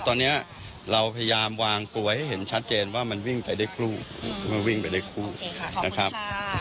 ตอนเนี้ยเราพยายามวางปล่วยให้เห็นชัดเจนว่ามันวิ่งไปได้คลู่มันวิ่งไปได้คลู่โอเคค่ะขอบคุณค่ะนะครับ